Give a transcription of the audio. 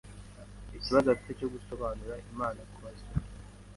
Ikibazo afite cyo gusobanura Imana kubasomyi